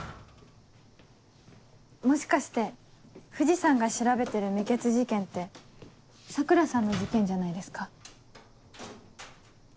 もしかして藤さんが調べてる未決事件って桜さんの事件じゃないですか？